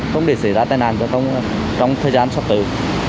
không để xảy ra tàn nạn trong thời gian sắp tới